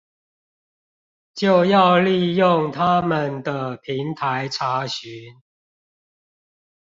就要利用它們的平台查詢